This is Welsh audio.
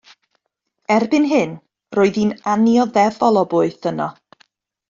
Erbyn hyn roedd hi'n annioddefol o boeth yno.